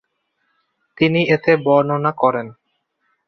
তিনি এতে বর্ণনা করেন।